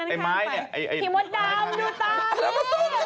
ไอ้ไม้นี่หิมวดดำผิดด้วย